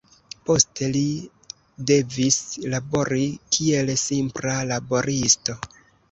Poste li devis labori kiel simpla laboristo.